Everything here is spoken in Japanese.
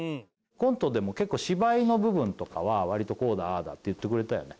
コントでも結構芝居の部分とかは割とこうだああだって言ってくれたよね。